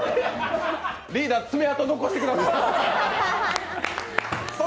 リーダー、爪痕残してください。